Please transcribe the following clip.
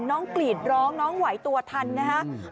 กรีดร้องน้องไหวตัวทันนะครับ